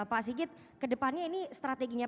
pak sigit ke depannya ini strateginya